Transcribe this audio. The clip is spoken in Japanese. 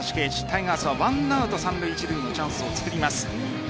タイガースは１アウト三塁・一塁のチャンスを作ります。